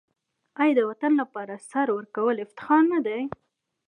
آیا د وطن لپاره سر ورکول افتخار نه دی؟